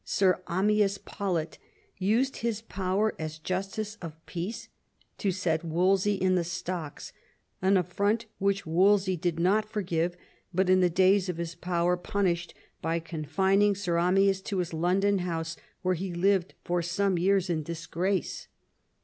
Sir Amyas Paulet, used his power as justice of peace to set Wolsey in the stocks, an a&ont which Wolsey did not forgive, but in the days of his power punished by confining Sir Amyas to his London house, where he lived for some years in dis grace.